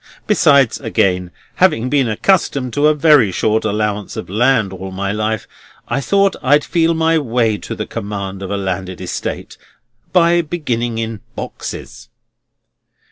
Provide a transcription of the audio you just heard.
Besides, again; having been accustomed to a very short allowance of land all my life, I thought I'd feel my way to the command of a landed estate, by beginning in boxes."